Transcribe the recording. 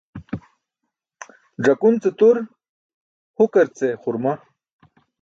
Ẓakun ce tur, hukar ce xurma.